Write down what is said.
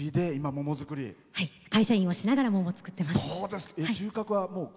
会社員しながら桃を作っています。